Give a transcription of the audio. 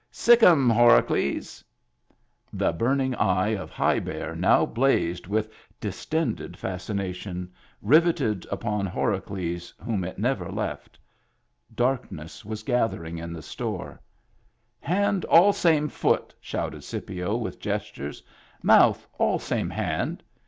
— Sick 'em, Horacles." Digitized by Google HAPPY TEETH 65 The burning eye of High Bear now blazed with distended fascination, riveted upon Hora cles, whom it never left. Darkness was gather ing in the store. "Hand all same foot," shouted Scipio, with gestures, "mouth all same hand.